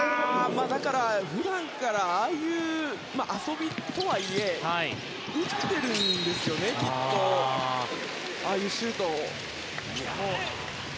普段からああいう遊びとはいえ打っているんですよね、きっとああいうシュートをね。